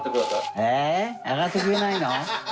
え洗ってくれないの？